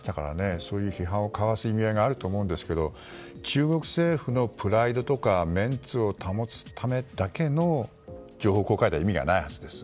そういう批判をかわす意味合いがあると思うんですが中国政府のプライドとかメンツを保つためだけの情報公開では意味がないはずです。